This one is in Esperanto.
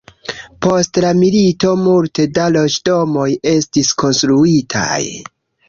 Post la milito multe da loĝdomoj estis konstruitaj.